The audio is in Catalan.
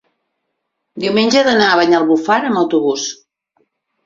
Diumenge he d'anar a Banyalbufar amb autobús.